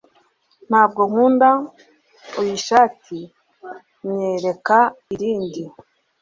Ntabwo nkunda iyi shati Nyereka irindi